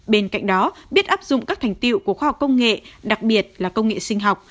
bên cạnh đó biết áp dụng các thành tiệu của khoa học công nghệ đặc biệt là công nghệ sinh học